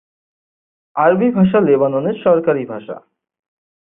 আরবি ভাষা লেবাননের সরকারি ভাষা।